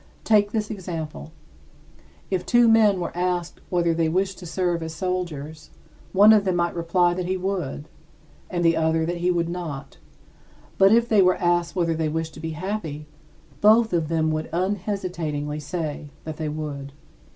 Take this example: If two men were asked whether they wished to serve as soldiers, one of them might reply that he would, and the other that he would not; but if they were asked whether they wished to be happy, both of them would unhesitatingly say that they would.